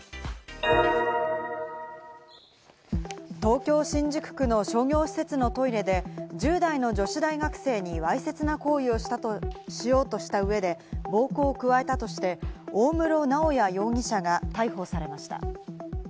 東京・新宿区の商業施設のトイレで１０代の女子大学生にわいせつな行為をしようとした上で、暴行を加えたとして、大室直也容疑者が逮捕されました。